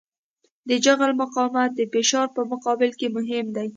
د جغل مقاومت د فشار په مقابل کې مهم دی